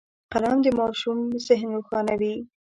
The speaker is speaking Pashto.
قلم د ماشوم ذهن روښانوي